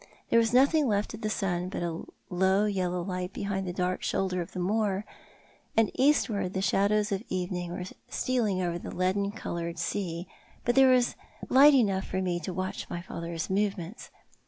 There was nothing left of the sun but a low yellow light behind the <lark shoulder of the moor, and eastward the shadows of evening were stealing over the leaden coloured sea; but there was light enough for me to watch my father's movements.